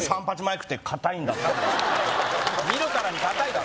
見るからに硬いだろ